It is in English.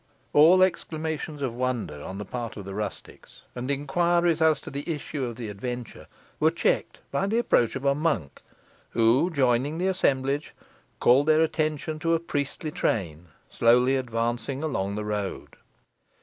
All exclamations of wonder on the part of the rustics, and inquiries as to the issue of the adventure, were checked by the approach of a monk, who, joining the assemblage, called their attention to a priestly train slowly advancing along the road.